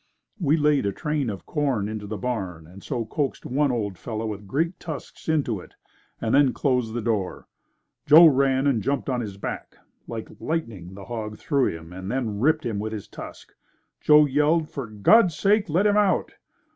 We laid a train of corn into the barn and so coaxed one old fellow with great tusks into it, and then closed the door. Joe ran and jumped on his back. Like lightning the hog threw him and then ripped him with his tusk. Joe yelled, "For God's sake let him out."